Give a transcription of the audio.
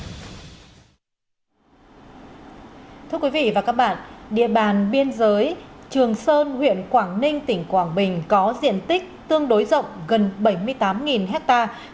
đối với trường sơn huyện quảng ninh tỉnh quảng bình có diện tích tương đối rộng gần bảy mươi tám hectare